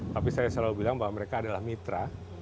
tapi saya selalu bilang bahwa mereka adalah mitra